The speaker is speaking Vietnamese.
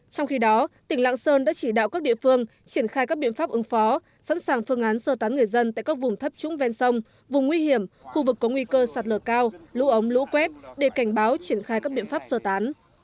trong khi đó tỉnh lạng sơn đã chỉ đạo các địa phương triển khai các biện pháp ứng phó sẵn sàng phương án sơ tán người dân tại các vùng thấp trũng ven sông vùng nguy hiểm khu vực có nguy cơ sạt lở cao lũ ống lũ quét để cảnh báo triển khai các biện pháp sơ tán